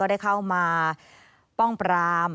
ฟังเสียงอาสามูลละนิทีสยามร่วมใจ